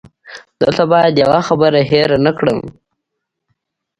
دلته باید یوه خبره هېره نه کړم.